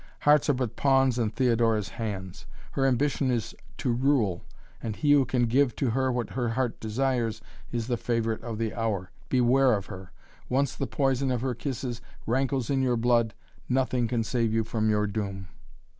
"Hearts are but pawns in Theodora's hands. Her ambition is to rule, and he who can give to her what her heart desires is the favorite of the hour. Beware of her! Once the poison of her kisses rankles in your blood nothing can save you from your doom."